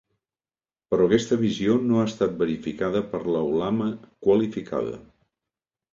Però aquesta visió no ha estat verificada per la Ulama qualificada.